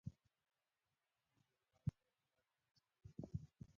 احمد ولاکه رګ راڅخه ووهي.